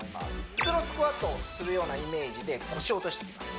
普通のスクワットをするようなイメージで腰を落としていきます